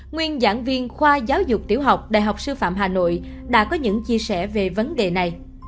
nguyên giảng viên khoa giáo dục tiểu học đại học sư phạm hà nội đã có những chia sẻ về vấn đề này